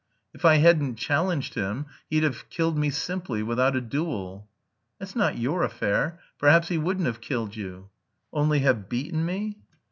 "If I hadn't challenged him, he'd have killed me simply, without a duel." "That's not your affair. Perhaps he wouldn't have killed you." "Only have beaten me?"